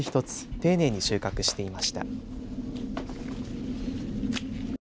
丁寧に収穫していました。